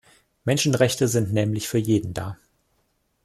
Menschenrechte sind nämlich für jeden da.